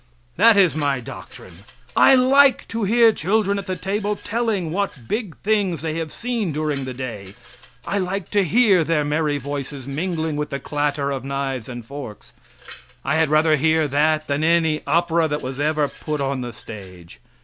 That is my doctrine. I like to hear children at the table telling what big things they have seen during the day; I like to hear their merry voices mingling with the clatter of knives and forks. I had rather hear that than any opera that was ever put on the stage.